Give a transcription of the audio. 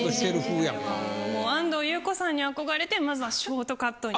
もう安藤優子さんに憧れてまずはショートカットに。